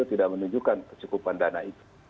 tidak menunjukkan kecukupan dana itu